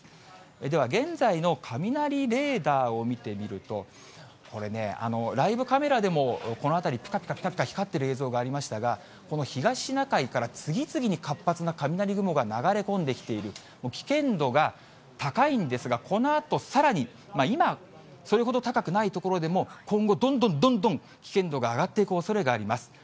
では、現在の雷レーダーを見てみると、これね、ライブカメラでもこの辺り、ぴかぴかぴかぴか光っている映像がありましたが、この東シナ海から次々に活発な雷雲が流れ込んできている、危険度が高いんですが、このあとさらに、今、それほど高くない所でも、今後、どんどんどんどん危険度が上がっていくおそれがあります。